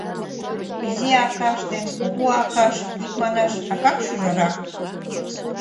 Изи Акаш ден Кугу Акаш, икманаш, акак-шӱжарак.